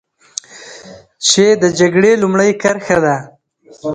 چې د جګړې لومړۍ کرښه ده.